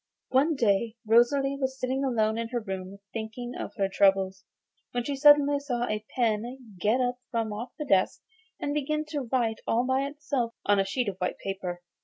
One day Rosalie was sitting alone in her room thinking of her troubles when she suddenly saw a pen get up from off the desk and begin to write all by itself on a sheet of white paper.